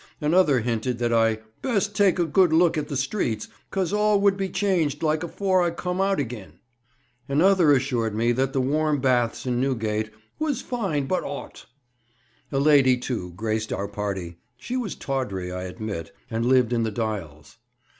Another hinted that I "Best take a good look at the streets, 'cos all wud be changed like afore I cum out agin." Another assured me that the warm baths in Newgate "wus fine but 'ot." A lady, too, graced our party; she was tawdry, I admit, and lived in the Dials.